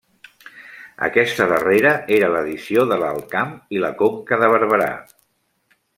Aquesta darrera era l'edició de l'Alt Camp i la Conca de Barberà.